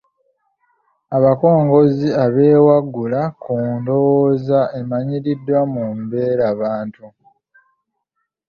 Abakongozzi abeewaggula ku ndowooza emanyiiriddwa mu mbeerabantu